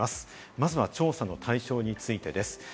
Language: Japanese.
まずは調査の対象についてです。